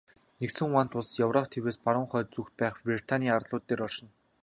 Нэгдсэн вант улс Европ тивээс баруун хойд зүгт байх Британийн арлууд дээр оршино.